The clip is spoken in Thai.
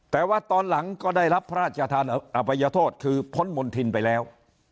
แต่ว่าตอนหลังก็ได้รับพระราชทานอภัยโทษคือพ้นมณฑินไปแล้ว